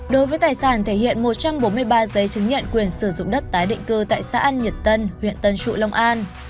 đối với tài sản thể hiện một trăm bốn mươi ba giấy chứng nhận quyền sử dụng đất tái định cư tại xã an nhật tân huyện tân trụ long an